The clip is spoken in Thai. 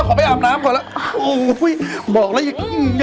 เนี้ยนะขอไปอาบน้ำก่อนแล้วอู้ยบอกเลยหญิง